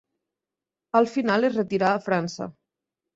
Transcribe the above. Al final es retirà a França.